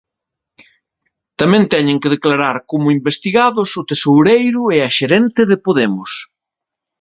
Tamén teñen que declarar como investigados o tesoureiro e a xerente de Podemos.